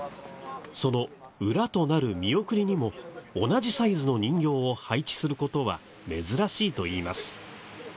その裏となる「見送り」にも同じサイズの人形を配置することは珍しいといいます。